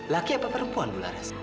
laki apa perempuan bularas